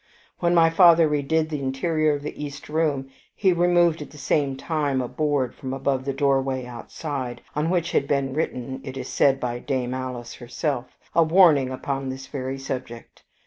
When my father redid the interior of the east room, he removed at the same time a board from above the doorway outside, on which had been written it is said by Dame Alice herself a warning upon this very subject.